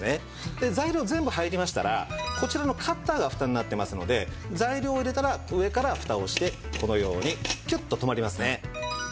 で材料全部入りましたらこちらのカッターがフタになってますので材料を入れたら上からフタをしてこのようにキュッと止まりますね。